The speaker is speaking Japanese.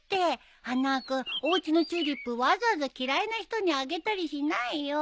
花輪君おうちのチューリップわざわざ嫌いな人にあげたりしないよ。